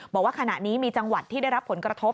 บอกว่าขณะนี้มีจังหวัดที่ได้รับผลกระทบ